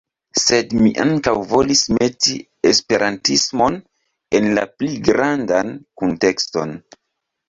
Sed mi ankaŭ volis meti esperantismon en la pli grandan kuntekston.